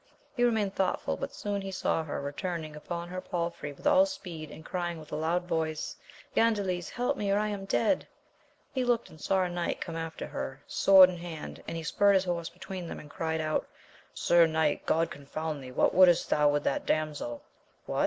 He remained thoughtful, but soon he saw her returning upon her palfrey with all speed, and crying with a loud voice, Gandales help me — or I am dead ! He looked and saw a knight come after her, sword in hand, and he spurred his horse between them, and cry^d out, Sir Knight, God confound thee,* what wouldst thou with the damsel] What?